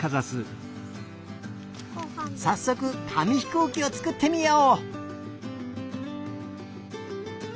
さっそくかみひこうきをつくってみよう。